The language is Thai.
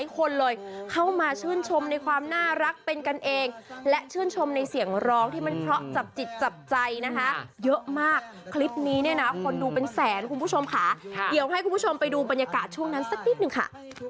คนเลยเข้ามาชื่นชมในความน่ารักเป็นกันเองและชื่นชมในเสียงร้องที่มันเพราะจับจิตจับใจนะคะเยอะมากคลิปนี้เนี่ยนะคนดูเป็นแสนคุณผู้ชมค่ะเดี๋ยวให้คุณผู้ชมไปดูบรรยากาศช่วงนั้นสักนิดนึงค่ะ